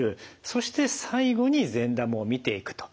そして最後に善玉を見ていくと。